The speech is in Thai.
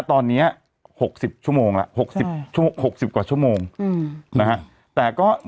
ตอนเนี้ยหกสิบชั่วโมงล่ะหกสิบหกสิบกว่าชั่วโมงอืมนะฮะแต่ก็